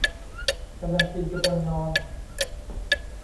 กำลังกินกำลังนอน